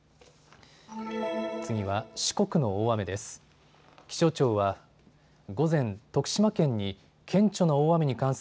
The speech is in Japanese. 次は四国の大雨です。